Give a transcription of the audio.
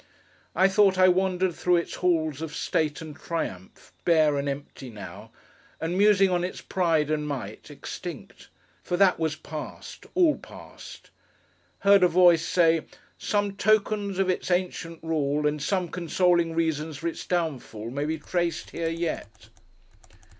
I thought I wandered through its halls of state and triumph—bare and empty now!—and musing on its pride and might, extinct: for that was past; all past: heard a voice say, 'Some tokens of its ancient rule and some consoling reasons for its downfall, may be traced here, yet!